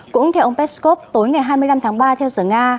cũng theo ông peskov tối ngày hai mươi năm tháng ba theo giờ nga